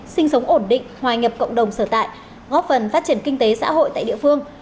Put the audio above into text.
sinh sống ổn định hòa nhập cộng đồng sở tại góp phần phát triển kinh tế xã hội tại địa phương